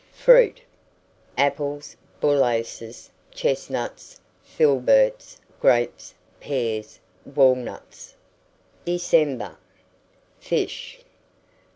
FRUIT. Apples, bullaces, chestnuts, filberts, grapes, pears, walnuts. DECEMBER. FISH.